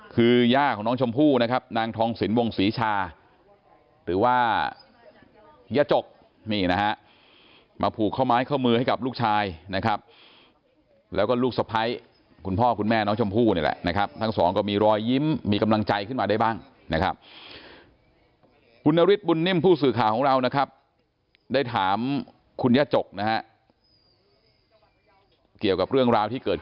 คือย่าของน้องชมพู่นะครับนางทองสินวงศรีชาหรือว่าย่าจกนี่นะฮะมาผูกข้อไม้ข้อมือให้กับลูกชายนะครับแล้วก็ลูกสะพ้ายคุณพ่อคุณแม่น้องชมพู่นี่แหละนะครับทั้งสองก็มีรอยยิ้มมีกำลังใจขึ้นมาได้บ้างนะครับคุณนฤทธบุญนิ่มผู้สื่อข่าวของเรานะครับได้ถามคุณย่าจกนะฮะเกี่ยวกับเรื่องราวที่เกิด